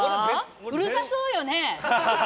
うるさそうよね？